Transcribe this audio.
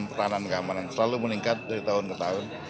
pertahanan keamanan selalu meningkat dari tahun ke tahun